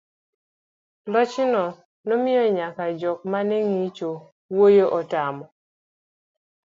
loch no nomiyo nyaka jok maneng'icho wuoyo otamo